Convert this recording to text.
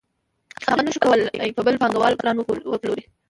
هغه نشوای کولی په بل پانګوال ګران وپلوري